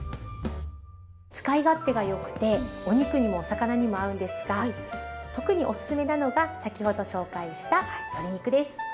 使い勝手がよくてお肉にもお魚にも合うんですが特におすすめなのが先ほど紹介した鶏肉です。